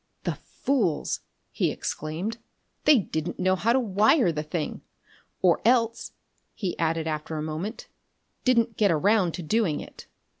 "The fools!" he exclaimed, " they didn't know how to wire the thing! Or else," he added after a moment, "didn't get around to doing it."